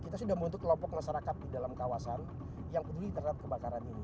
kita sudah membentuk kelompok masyarakat di dalam kawasan yang peduli terhadap kebakaran ini